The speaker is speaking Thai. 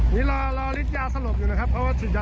ยิงตะบกเลย